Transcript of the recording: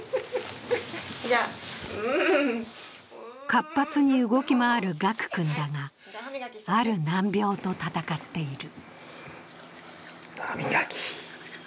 活発に動き回る賀久君だがある難病と闘っている。